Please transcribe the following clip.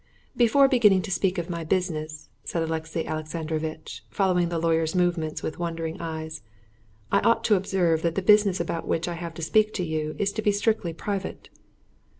"Before beginning to speak of my business," said Alexey Alexandrovitch, following the lawyer's movements with wondering eyes, "I ought to observe that the business about which I have to speak to you is to be strictly private."